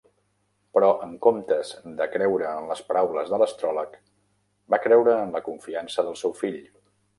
Però, en comptes de creure en les paraules de l'astròleg, va creure en la confiança del seu fill.